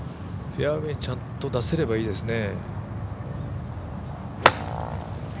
フェアウエーちゃんと出せればいいですね。